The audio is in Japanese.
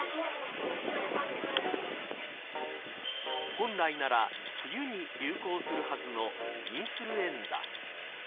本来なら冬に流行するはずのインフルエンザ。